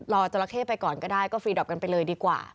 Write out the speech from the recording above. จราเข้ไปก่อนก็ได้ก็ฟรีดอปกันไปเลยดีกว่า